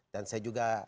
dan saya juga